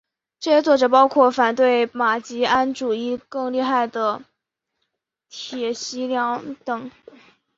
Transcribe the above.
这些作者包括反对马吉安主义最厉害的铁徒良等。